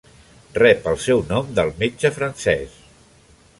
Rep el seu nom del metge francès.